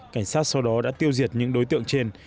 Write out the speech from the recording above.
cảnh sát sau đó đã tiêu diệt những đối tượng trên